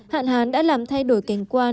hạn hán đã làm thay đổi cảnh quan